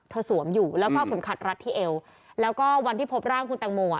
สวมอยู่แล้วก็เอาเข็มขัดรัดที่เอวแล้วก็วันที่พบร่างคุณแตงโมอ่ะ